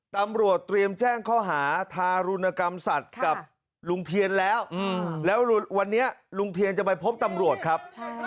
ตำรวจเตรียมแจ้งข้อหาทารุณกรรมสัตว์กับลุงเทียนแล้วแล้ววันนี้ลุงเทียนจะไปพบตำรวจครับ